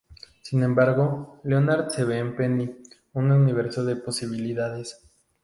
Sin embargo, Leonard ve en Penny un nuevo universo de posibilidades.